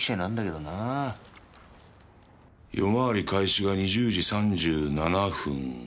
夜回り開始が２０時３７分。